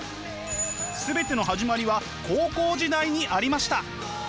全ての始まりは高校時代にありました！